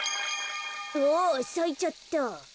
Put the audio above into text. あっさいちゃった。